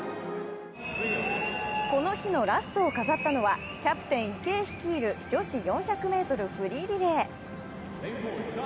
この日のラストを飾ったのはキャプテン・池江率いる女子４００ｍフリーリレー。